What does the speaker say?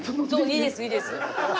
いいですいいです。